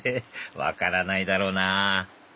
分からないだろうなぁ